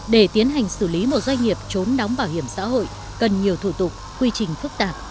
để tiến hành xử lý một doanh nghiệp trốn đóng bảo hiểm xã hội cần nhiều thủ tục quy trình phức tạp